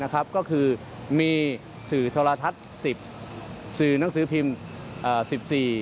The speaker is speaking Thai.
ก็คือมีสื่อโทรทัศน์สิบสื่อหนังสือพิมพ์๑๔